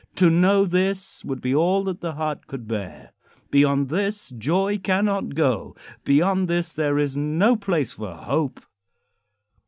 To know this would be all that the heart could bear. Beyond this joy cannot go. Beyond this there is no place for hope.